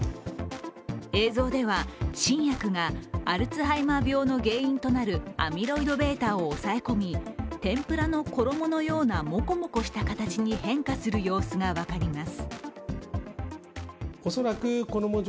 映像では新薬がアルツハイマー病の原因となるアミロイドβを抑え込み天ぷらの衣のようなもこもこした形に変化する様子が分かります。